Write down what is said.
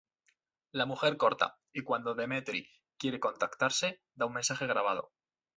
La mujer corta, y cuando Demetri quiere contactarse da un mensaje grabado.